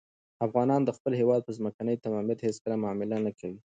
افغانان د خپل هېواد په ځمکنۍ تمامیت هېڅکله معامله نه کوي.